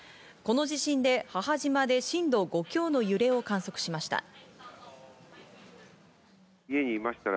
この地震で母島で震度５強の揺れを観測しました。